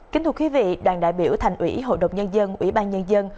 kính thưa quý vị đoàn đại biểu thành ủy hội đồng nhân dân ủy ban nhân dân